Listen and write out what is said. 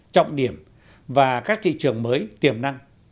trọng điểm và các thị trường mới tiềm năng